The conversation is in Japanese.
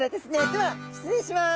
では失礼します。